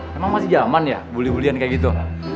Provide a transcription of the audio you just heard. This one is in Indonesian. wah emang masih zaman ya bully bullyan kayak gitu